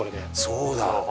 そうだ。